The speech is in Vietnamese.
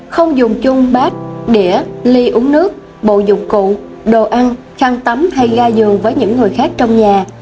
không dùng chung bát đĩa ly uống nước bộ dụng cụ đồ ăn khăn tắm hay ga giường với những người khác trong nhà